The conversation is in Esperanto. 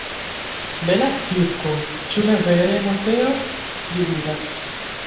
Bela cirko, ĉu ne vere, Moseo? li diras.